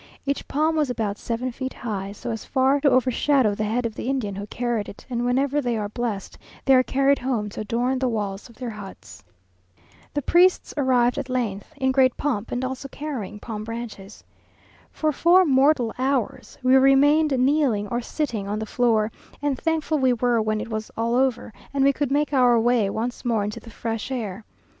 Each palm was about seven feet high, so as far to overshadow the head of the Indian who carried it; and whenever they are blessed, they are carried home to adorn the walls of their huts. The priests arrived, at length, in great pomp; and also carrying palm branches. For four mortal hours, we remained kneeling or sitting on the floor, and thankful we were when it was all over, and we could make our way once more into the fresh air.